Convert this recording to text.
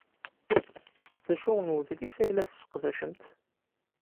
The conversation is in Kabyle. D acu n udlis ay la tesseqdacemt?